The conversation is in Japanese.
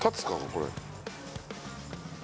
これ。